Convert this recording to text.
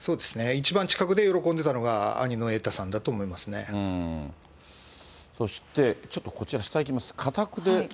一番近くで喜んでたのが、そしてちょっとこちら、下行きます。